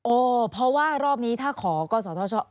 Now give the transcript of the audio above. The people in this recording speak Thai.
เพราะว่ารอบนี้ถ้าขอกศธช